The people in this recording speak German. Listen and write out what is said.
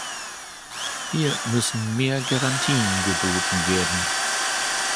Hier müssen mehr Garantien geboten werden.